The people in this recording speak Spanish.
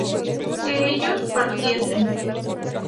¿que ellos partiesen?